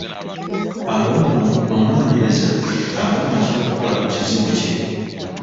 Awo nno, omunoonyereza aba amaze okukola ku kizibu kye.